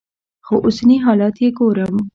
خو اوسني حالات چې ګورم.